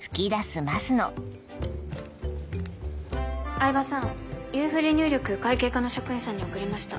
饗庭さん郵振入力会計課の職員さんに送りました。